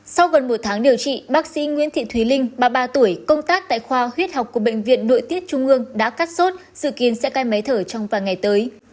sau gần một tháng điều trị bác sĩ nguyễn thị thúy linh ba mươi ba tuổi công tác tại khoa huyết học của bệnh viện nội tiết trung ương đã cắt sốt dự kiến sẽ cai máy thở trong vài ngày tới